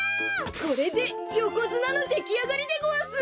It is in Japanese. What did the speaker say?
これでよこづなのできあがりでごわす！